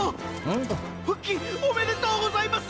ん⁉復帰おめでとうございます！